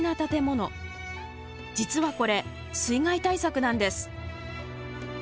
実はこれ水害対策なんです。